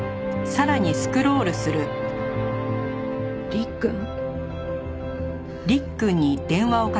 「りっくん」？